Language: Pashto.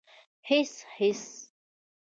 _هېڅ ، هېڅ.